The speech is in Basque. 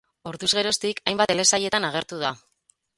Orduz geroztik hainbat telesailetan agertu da.